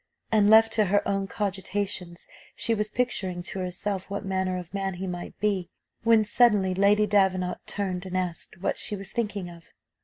And, left to her own cogitations, she was picturing to herself what manner of man he might be, when suddenly Lady Davenant turned, and asked what she was thinking of?